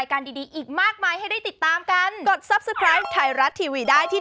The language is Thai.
ข่าวว่าพี่จะไปเนี่ย